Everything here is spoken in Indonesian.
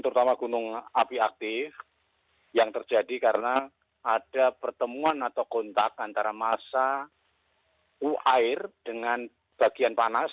terutama gunung api aktif yang terjadi karena ada pertemuan atau kontak antara masa uair dengan bagian panas